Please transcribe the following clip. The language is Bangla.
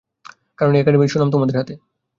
কারণ এই একাডেমির সুনাম তোমাদের হাতে।